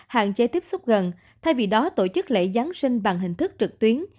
hạn chế tiếp xúc gần thay vì đó tổ chức lễ giáng sinh bằng hình thức trực tuyến